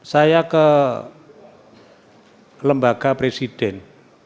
saya ke lembaga presiden